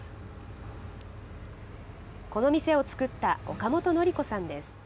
この店を作った岡本紀子さんです。